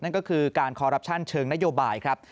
นั่นก็คือการคอรัปชั่นเชิงนโยบายครับ